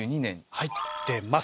入ってます。